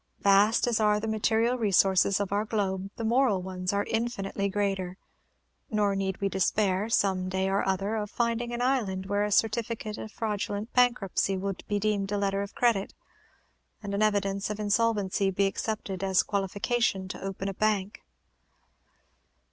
Vast as are the material resources of our globe, the moral ones are infinitely greater; nor need we despair, some day or other, of finding an island where a certificate of fraudulent bankruptcy will be deemed a letter of credit, and an evidence of insolvency be accepted as qualification to open a bank.